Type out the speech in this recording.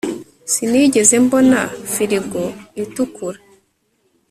Sinigeze mbona firigo itukura